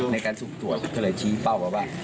ในการสูบตรวจเธอเลยชี้เป้าก่อนว่า